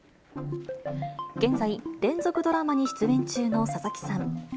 現在、連続ドラマに出演中の佐々木さん。